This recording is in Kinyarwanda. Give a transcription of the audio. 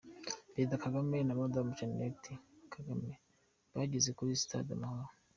Perezida Kagame na madame Jeanette Kagame bageze kuri Stade amahoro.